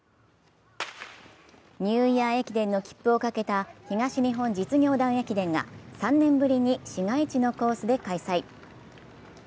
ニューイヤー駅伝の切符をかけた東日本実業団駅伝が３年ぶりに市街地のコースで開催。